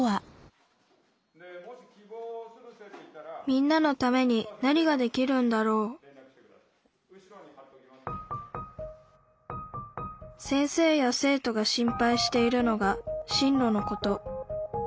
みんなのために何ができるんだろう先生や生徒が心配しているのが進路のこと。